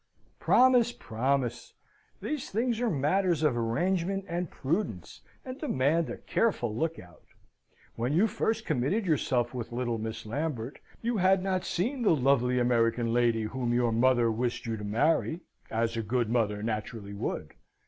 "Promise, promise! these things are matters of arrangement and prudence, and demand a careful look out. When you first committed yourself with little Miss Lambert, you had not seen the lovely American lady whom your mother wished you to marry, as a good mother naturally would.